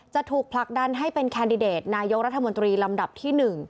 จะถูกผลักดันให้เป็นแคนดิเดตนายกรัฐมนตรีลำดับที่๑